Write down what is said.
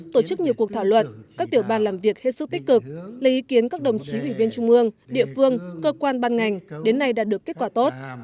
tổ chức nhiều cuộc thảo luận các tiểu ban làm việc hết sức tích cực lấy ý kiến các đồng chí ủy viên trung ương địa phương cơ quan ban ngành đến nay đã được kết quả tốt